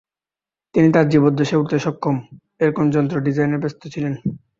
তিনি তার জীবদ্দশায় উড়তে সক্ষম এরকম যন্ত্র ডিজাইনে ব্যাস্ত ছিলেন।